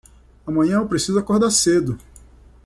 Amanhã eu preciso acordar cedo.